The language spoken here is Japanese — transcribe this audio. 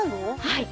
はい。